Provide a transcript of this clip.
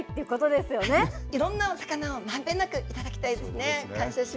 いろんなお魚をまんべんなくいただきたいですね。